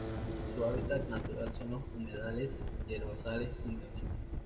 Su hábitat natural son los humedales y herbazales húmedos.